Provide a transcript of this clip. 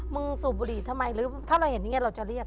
สูบบุหรี่ทำไมหรือถ้าเราเห็นอย่างนี้เราจะเรียก